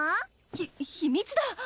ひ秘密だ！